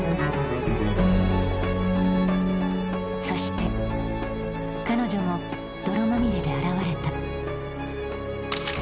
そして彼女も泥まみれで現れた。